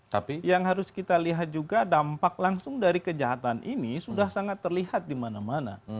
tapi yang harus kita lihat juga dampak langsung dari kejahatan ini sudah sangat terlihat di mana mana